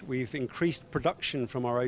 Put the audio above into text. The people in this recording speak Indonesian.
kami telah meningkatkan produksi dari laut kita